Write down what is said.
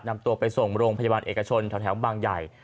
นำตัวไปส่งโรงพยาบาลเอกชนแถวบางใหญ่